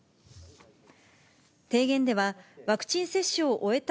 提言では、ワクチン接種を終えた